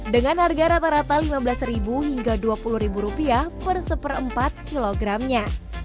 dengan harga rata rata rp lima belas hingga rp dua puluh rupiah per seperempat kilogramnya